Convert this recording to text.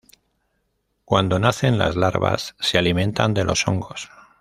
Cuando nacen las larvas se alimentan de los hongos.